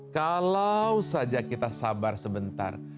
kalau saja kita sabar sebentar